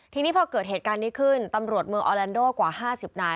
ทีนี้พอเกิดเหตุการณ์นี้ขึ้นตำรวจเมืองออแลนโดกว่า๕๐นาย